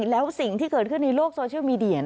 แล้วสิ่งที่เกิดขึ้นในโลกโซเชียลมีเดีย